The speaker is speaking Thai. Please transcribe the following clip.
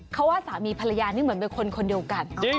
เขาว่าสามีภรรยานี่เหมือนเป็นคนคนเดียวกัน